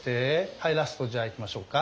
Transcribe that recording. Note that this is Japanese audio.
はいラストじゃあいきましょうか。